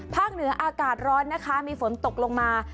เหนืออากาศร้อนนะคะมีฝนตกลงมา